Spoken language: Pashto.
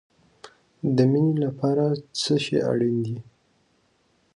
د مینې لپاره څه شی اړین دی؟